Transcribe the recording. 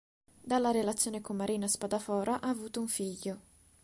Dalla relazione con Marina Spadafora ha avuto un figlio.